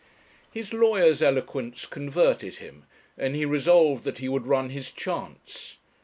His lawyer's eloquence converted him, and he resolved that he would run his chance.